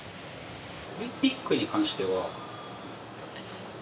オリンピックに関しては。